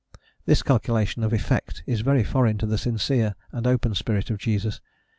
This calculation of effect is very foreign to the sincere and open spirit of Jesus.